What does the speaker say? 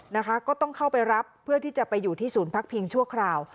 นะคะก็ต้องเข้าไปรับเพื่อที่จะไปอยู่ที่ศูนย์พักพิงชั่วคราว